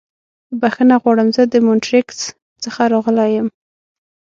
بښنه غواړم. زه د مونټریکس څخه راغلی یم.